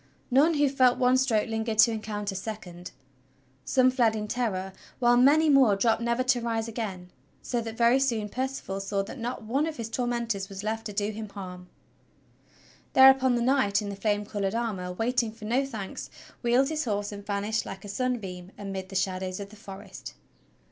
None who felt one stroke lingered to encounter a second. Some fled in terror, while many more dropped never to rise again; so that very soon Percival saw that not one of his tormentors was left to do him harm. Thereupon the knight in the flame colored armor, waiting for no thanks, wheeled his horse and vanished like a sunbeam amid the shadows of the forest.